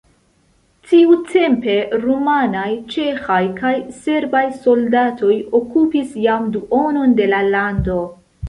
Tiutempe rumanaj, ĉeĥaj kaj serbaj soldatoj okupis jam duonon de la lando.